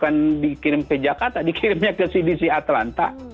bukan dikirim ke jakarta dikirimnya ke cdc atlanta